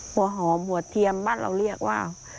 หัวหอมหัวเทียมบ้านเราเรียกว่า